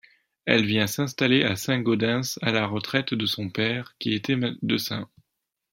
Elle vient s'installer à Saint-Gaudens à la retraite de son père, qui était médecin.